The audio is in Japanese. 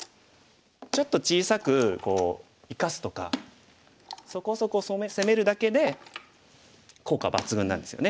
ちょっと小さくこう生かすとかそこそこ攻めるだけで効果抜群なんですよね。